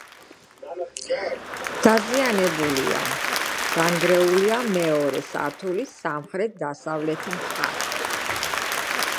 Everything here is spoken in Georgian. დაზიანებულია: დანგრეულია მეორე სართულის სამხრეთ-დასავლეთი მხარე.